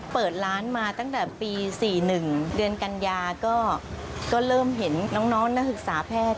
เปิดร้านมาตั้งแต่ปี๔๑เดือนกันยาก็เริ่มเห็นน้องนักศึกษาแพทย์